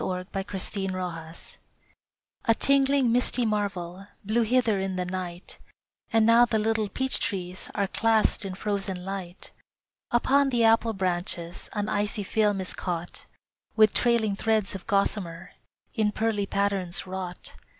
NOVEMBER MORNING A tingling, misty marvel Blew hither in the night, And now the little peach trees Are clasped in frozen light. Upon the apple branches An icy film is caught, With trailing threads of gossamer In pearly patterns wrought.